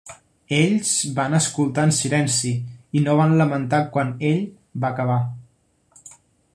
Ells van escoltar en silenci, i no van lamentar quan ell va acabar.